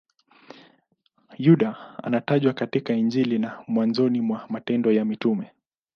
Yuda anatajwa katika Injili na mwanzoni mwa Matendo ya Mitume.